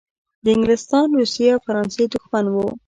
د انګلستان، روسیې او فرانسې دښمن وو.